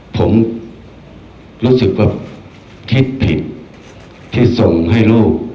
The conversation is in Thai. ผมรู้สึกว่าคิดผิดที่ส่งให้ลูก